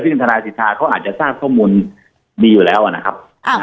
ซึ่งทนายสิทธาเขาอาจจะทราบข้อมูลดีอยู่แล้วนะครับ